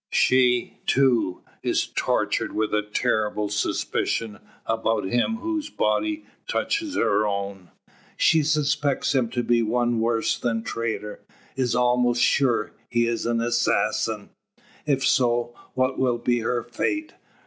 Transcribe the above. She, too, is tortured with a terrible suspicion about him whose body touches her own. She suspects him to be one worse than traitor; is almost sure he is an assassin! If so, what will be her fate?